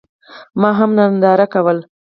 ما هم ننداره کوله.